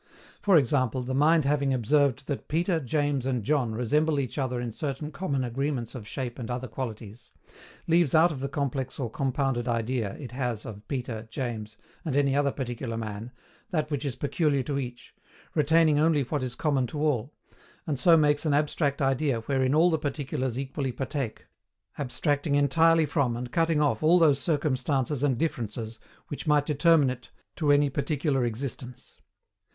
For example, the mind having observed that Peter, James, and John resemble each other in certain common agreements of shape and other qualities, leaves out of the complex or compounded idea it has of Peter, James, and any other particular man, that which is peculiar to each, retaining only what is common to all, and so makes an abstract idea wherein all the particulars equally partake abstracting entirely from and cutting off all those circumstances and differences which might determine it to any particular existence.